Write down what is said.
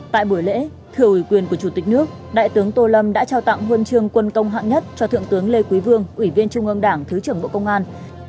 tại buổi lễ thưa ủy quyền của chủ tịch nước đại tướng tô lâm đã trao tặng huân chương quân công hạng nhất cho thượng tướng lê quý vương ủy viên trung ương đảng thứ trưởng bộ công an